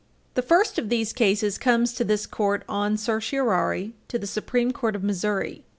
The first of these cases comes to this Court on certiorari to the Supreme Court of Missouri.